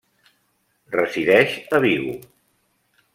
Resideix a Vigo.